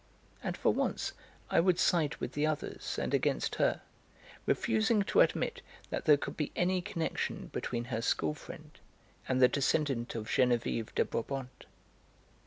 And for once I would side with the others, and against her, refusing to admit that there could be any connection between her school friend and the descendant of Geneviève de Brabant.)